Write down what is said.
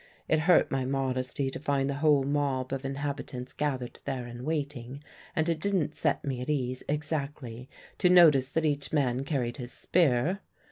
It hurt my modesty to find the whole mob of inhabitants gathered there and waiting, and it didn't set me at ease, exactly, to notice that each man carried his spear.